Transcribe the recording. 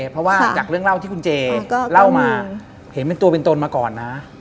เพราะว่าจากเรื่องเล่าที่คุณเจเล่ามาเห็นเป็นตัวเป็นตนมาก่อนนะ